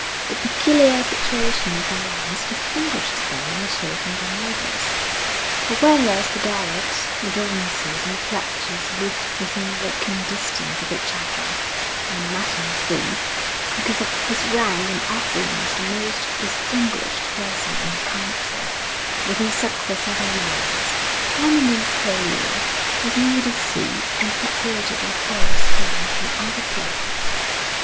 The peculiar situation of their lands distinguished them a little from their neighbours; for, whereas the Garrods, the Daunceys, and the Fletchers lived within walking distance of each other, and Madden of Brise, because of his rank and opulence the most distinguished person in the county, within six or seven miles, Hamlyn's Purlieu was near the sea and separated by forest land from other places.